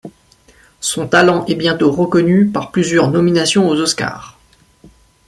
Son talent est bientôt reconnu par plusieurs nominations aux Oscars.